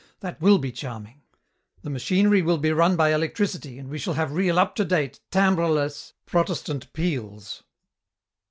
That will be charming. The machinery will be run by electricity and we shall have real up to date, timbreless, Protestant peals."